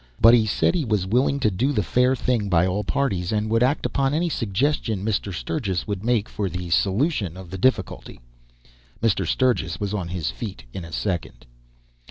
But he said he was willing to do the fair thing by all parties, and would act upon any suggestion Mr. Sturgis would make for the solution of the difficulty. Mr. Sturgis was on his feet in a second.